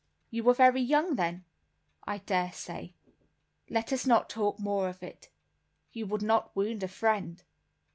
"You were very young then?" "I dare say, let us talk no more of it. You would not wound a friend?"